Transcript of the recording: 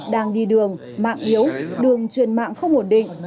đang đi đường mạng yếu đường truyền mạng không ổn định